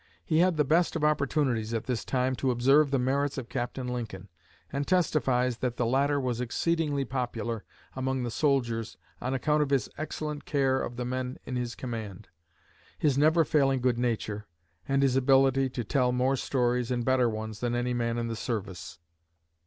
He had the best of opportunities at this time to observe the merits of Captain Lincoln, and testifies that the latter was exceedingly popular among the soldiers on account of his excellent care of the men in his command, his never failing good nature, and his ability to tell more stories and better ones than any man in the service.